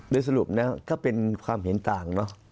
โดยสรุปนะก็เป็นความเห็นต่างเนอะ